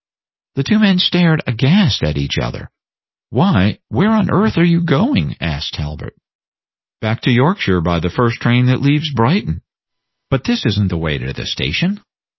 The two men stared aghast at each other. "Why, where on earth are you going?" asked Talbot. "Back to Yorkshire by the first train that leaves Brighton." "But this is n't the way to the station!"